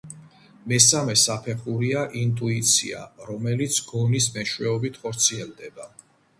მესამე საფეხურია ინტუიცია, რომელიც გონის მეშვეობით ხორციელდება.